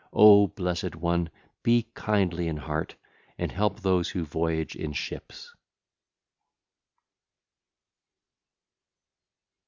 O blessed one, be kindly in heart and help those who voyage in ships!